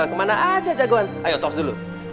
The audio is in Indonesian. kemana aja jagoan ayo talks dulu